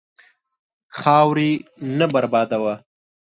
خاورې نه بربادوه.